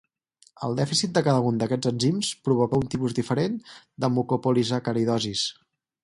El dèficit de cada un d'aquests enzims provoca un tipus diferent de mucopolisacaridosis.